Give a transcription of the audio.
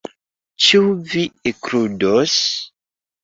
Ĉu vi ekludos?